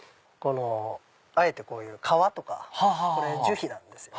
あえてこういう皮とかこれ樹皮なんです。